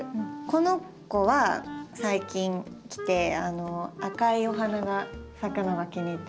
この子は最近来て赤いお花が咲くのが気に入ってます。